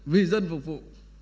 vì dân phục vụ